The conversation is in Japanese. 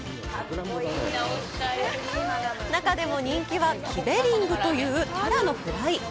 中でも人気は「キベリング」というタラのフライ。